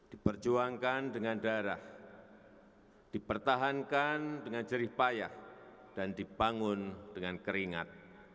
diperjuangkan dengan darah dipertahankan dengan jerih payah dan dibangun dengan keringat